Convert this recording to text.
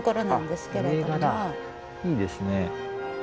いいですね。